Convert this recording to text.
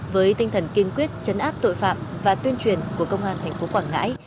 với tinh thần kiên quyết chấn áp tội phạm và tuyên truyền của công an tp quảng ngãi